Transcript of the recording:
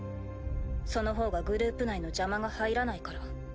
その方がグループ内の邪魔が入らないから。